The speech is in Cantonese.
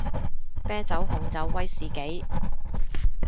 啤酒紅酒威士忌